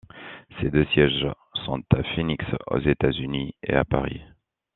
Ses deux sièges sont à Phoenix, aux États-Unis, et à Paris.